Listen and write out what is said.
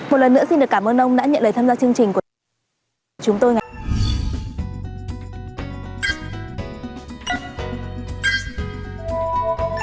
một lần nữa xin được cảm ơn